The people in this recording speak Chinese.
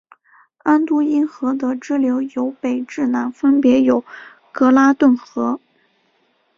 安都因河的支流由北至南分别有格拉顿河。